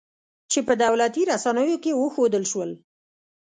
چې په دولتي رسنیو کې وښودل شول